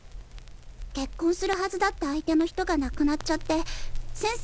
結婚するハズだった相手の人が亡くなっちゃって先生